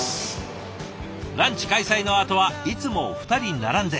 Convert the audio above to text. ランチ開催のあとはいつも２人並んで。